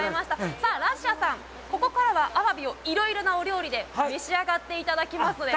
さあ、ラッシャーさん、ここからはアワビをいろいろなお料理で召し上がっていただきますね。